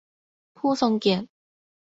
ผู้ทรงเกียรติ